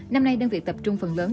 năm nay đang việc tập trung phần lớn